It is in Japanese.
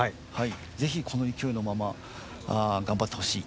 ぜひ、この勢いのまま頑張ってほしい。